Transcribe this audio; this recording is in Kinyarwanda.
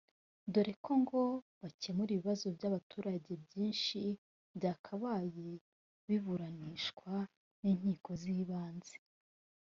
dore ko ngo bakemura ibibazo by’abaturage byinshi byakabaye biburanishwa n’inkiko z’ibanze